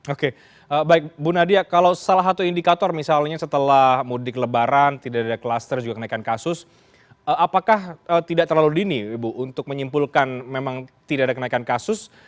oke baik bu nadia kalau salah satu indikator misalnya setelah mudik lebaran tidak ada kluster juga kenaikan kasus apakah tidak terlalu dini ibu untuk menyimpulkan memang tidak ada kenaikan kasus